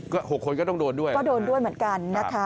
ก็๖คนก็ต้องโดนด้วยก็โดนด้วยเหมือนกันนะคะ